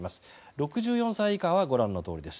６４歳以下はご覧のとおりです。